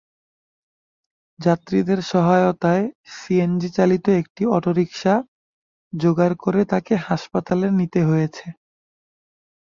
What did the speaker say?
যাত্রীদের সহায়তায় সিএনজিচালিত একটি অটোরিকশা জোগাড় করে তাঁকে হাসপাতালে নিতে হয়েছে।